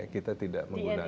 kita tidak menggunakan